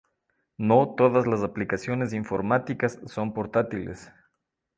No todas las aplicaciones informáticas son portátiles.